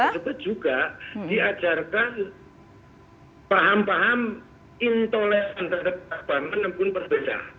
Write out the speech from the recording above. yang kedua juga diajarkan paham paham intoleransi terhadap pahaman yang pun berbeda